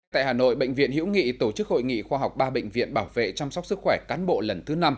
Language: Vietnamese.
tại hà nội bệnh viện hiễu nghị tổ chức hội nghị khoa học ba bệnh viện bảo vệ chăm sóc sức khỏe cán bộ lần thứ năm